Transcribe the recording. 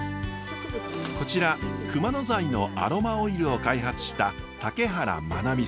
こちら熊野材のアロマオイルを開発した竹原真奈美さん。